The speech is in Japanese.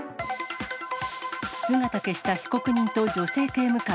姿消した被告人と女性刑務官。